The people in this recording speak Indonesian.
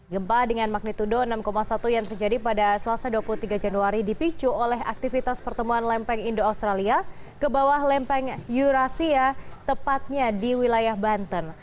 gempa dengan magnitudo enam satu yang terjadi pada selasa dua puluh tiga januari dipicu oleh aktivitas pertemuan lempeng indo australia ke bawah lempeng eurasia tepatnya di wilayah banten